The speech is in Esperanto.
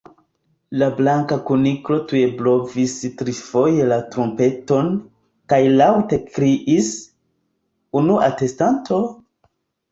La Blanka Kuniklo tuj blovis trifoje la trumpeton, kaj laŭte kriis:"Unua atestanto!"